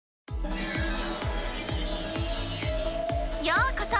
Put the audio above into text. ようこそ！